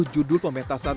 dua puluh judul pementasan